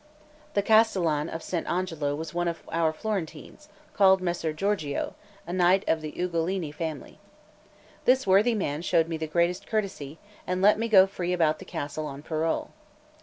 The castellan of Sant' Angelo was one of our Florentines, called Messer Giorgio, a knight of the Ugolini family. This worthy man showed me the greatest courtesy, and let me go free about the castle on parole.